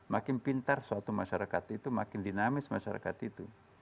makin pintar suatu masyarakat itu makin dinamis masyarakat itu